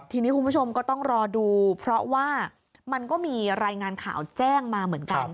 ทีนี้คุณผู้ชมก็ต้องรอดูเพราะว่ามันก็มีรายงานข่าวแจ้งมาเหมือนกัน